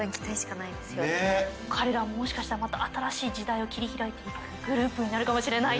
彼らももしかしたらまた新しい時代を切り開いていくグループになるかもしれない。